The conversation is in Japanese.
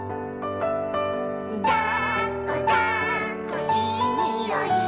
「だっこだっこいいにおい」